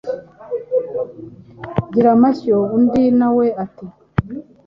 Gira amashyo!”, undi na we ati :“